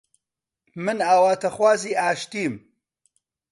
من ئاواتخوازی ئاشتیم